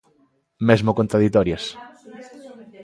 Mesmo contraditorias.